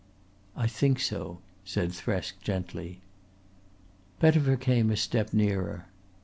"I think so," said Thresk gently. Pettifer came a step nearer.